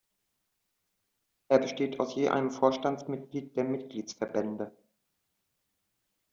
Er besteht aus je einem Vorstandsmitglied der Mitgliedsverbände.